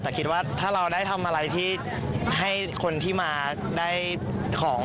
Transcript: แต่คิดว่าถ้าเราได้ทำอะไรที่ให้คนที่มาได้ของ